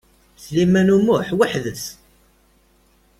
Sliman U Muḥ weḥd-s.